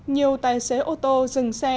nhiều tài xế ô tô dừng xe